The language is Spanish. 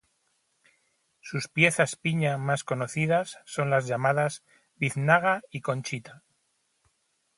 Sus piezas piña más conocidas son las llamadas biznaga y conchita.